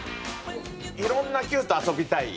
いろんなキューと遊びたい。